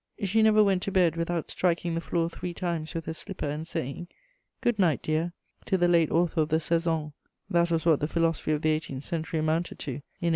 She never went to bed without striking the floor three times with her slipper and saying, "Good night, dear!" to the late author of the Saisons. That was what the philosophy of the eighteenth century amounted to in 1803.